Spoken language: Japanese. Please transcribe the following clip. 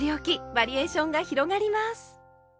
バリエーションが広がります！